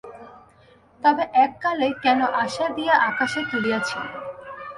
তবে এককালে কেন আশা দিয়া আকাশে তুলিয়াছিলে?